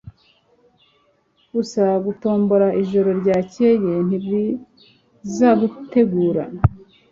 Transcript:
Gusa gutombora ijoro ryakeye ntibizagutegura.